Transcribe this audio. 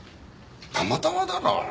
たまたまだろう